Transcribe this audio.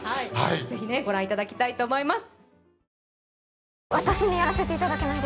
ぜひご覧いただきたいと思います